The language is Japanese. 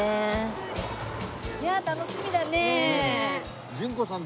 いやあ楽しみだね。